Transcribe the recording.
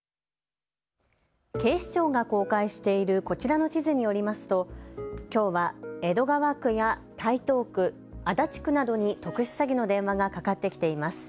警視庁が公開しているこちらの地図によりますときょうは江戸川区や台東区、足立区などに特殊詐欺の電話がかかってきています。